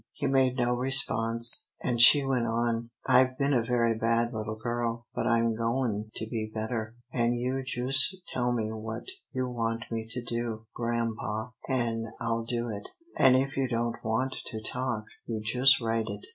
He made no response, and she went on: "I've been a very bad little girl, but I'm goin' to be better, an' you jus' tell me what you want me to do, grampa, an' I'll do it, an' if you don't want to talk, you jus' write it.